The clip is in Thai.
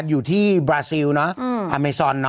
อยู่ที่บราซิลเนอะอเมซอนเนอ